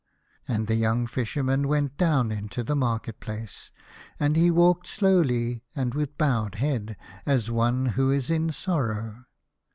And the young Fisherman went down into the market place, and he walked slowly, and with bowed head, as one who is in sorrow.